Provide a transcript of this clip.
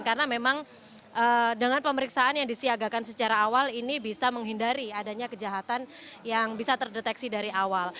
karena memang dengan pemeriksaan yang disiagakan secara awal ini bisa menghindari adanya kejahatan yang bisa terdeteksi dari awal